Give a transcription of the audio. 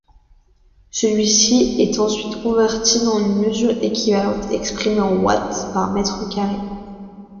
Celui-ci est ensuite converti en une mesure équivalente exprimée en watts par mètre carré.